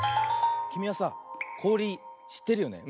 きみはさこおりしってるよね？